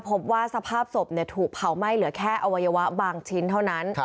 พบว่าสภาพศพถูกเผาไหม้เหลือแค่อวัยวะบางชิ้นเท่านั้น